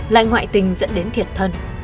lại ngoại tình dẫn đến thiệt thân